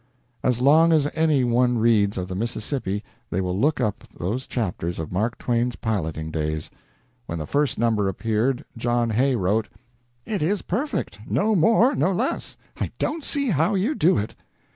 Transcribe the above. As long as any one reads of the Mississippi they will look up those chapters of Mark Twain's piloting days. When the first number appeared, John Hay wrote: "It is perfect; no more, no less. I don't see how you do it."